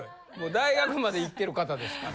大学まで行ってる方ですから。